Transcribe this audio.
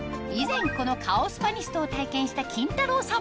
以前この顔スパニストを体験したキンタロー。